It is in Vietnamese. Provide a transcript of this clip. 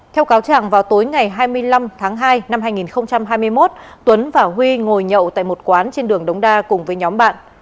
theo cáo trạng vào tối ngày hai mươi năm tháng hai năm hai nghìn hai mươi một tuấn và huy ngồi nhậu tại một quán trên đường đống đa cùng với nhóm bạn